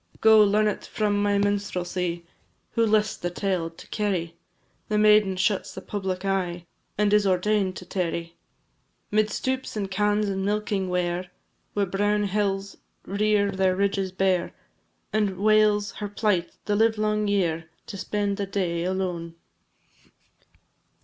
Go, learn it from my minstrelsy, Who list the tale to carry, The maiden shuns the public eye, And is ordain'd to tarry 'Mid stoups and cans, and milking ware, Where brown hills rear their ridges bare, And wails her plight the livelong year, To spend the day alone.